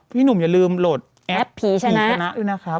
พี่หนุ่มอย่าลืมโหลดแอปพีชนะด้วยนะครับ